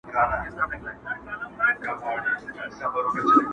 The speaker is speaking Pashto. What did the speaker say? بل به ستا په شاني یار کړم چي پر مخ زلفي لرمه.!.!